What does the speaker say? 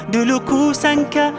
dulu ku sangka